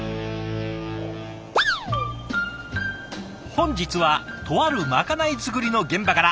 本日はとあるまかない作りの現場から。